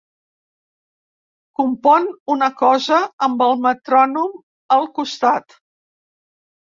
Compon una cosa amb el metrònom al costat.